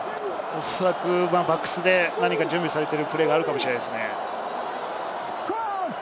おそらくバックスで何か準備されているプレーがあるかもしれないですね。